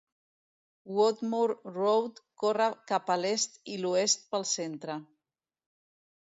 Woodmore Road corre cap a l'est i l'oest pel centre.